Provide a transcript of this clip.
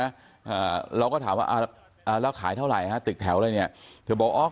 อ่าเราก็ถามว่าอ่าอ่าอ่าแล้วขายเท่าไหร่ฮะตึกแถวอะไรเนี้ยเธอบอกอ๋อ